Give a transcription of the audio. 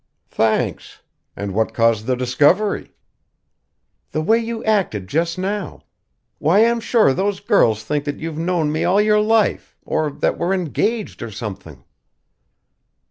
"Thanks! And what caused the discovery?" "The way you acted just now. Why, I'm sure those girls think that you've known me all your life or that we're engaged, or something!"